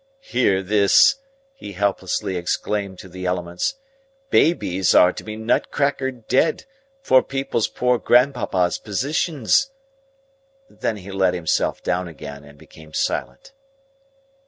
"Hear this!" he helplessly exclaimed to the elements. "Babies are to be nut crackered dead, for people's poor grandpapa's positions!" Then he let himself down again, and became silent.